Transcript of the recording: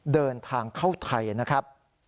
เดินทางเข้าไทยนะครับ